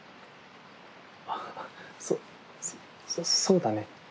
あっそそそうだね